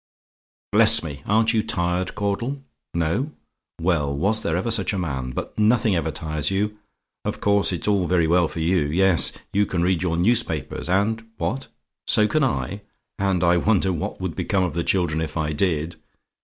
"Bless me! aren't you tired, Caudle? "NO? "Well, was there ever such a man! But nothing ever tires you. Of course, it's all very well for you: yes, you can read your newspapers and What? "SO CAN I? "And I wonder what would become of the children if I did!